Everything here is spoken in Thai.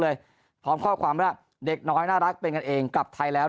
พร้อมข้อความว่าเด็กน้อยน่ารักเป็นกันเองกลับไทยแล้ว